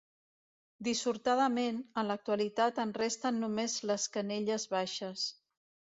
Dissortadament, en l'actualitat en resten només les canelles baixes.